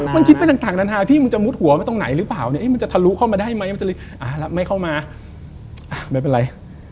มันคิดไปต่างนานหน้าพี่มึงจะมู้ดหัวไหนหรือเปล่ามันจะทะลุเข้ามาได้ไหมไม่เข้ามาไม่เป็นไร